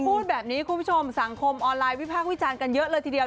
พูดแบบนี้คุณผู้ชมสังคมออนไลน์วิพากษ์วิจารณ์กันเยอะเลยทีเดียว